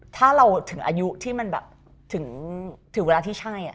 ถ้าเราถึงอายุที่มันแบบถึงเวลาที่ใช่